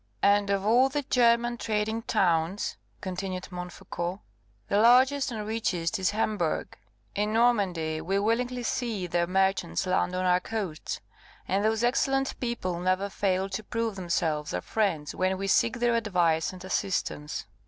"And of all the German trading towns," continued Montfaucon, "the largest and richest is Hamburgh. In Normandy we willingly see their merchants land on our coasts, and those excellent people never fail to prove themselves our friends when we seek their advice and assistance.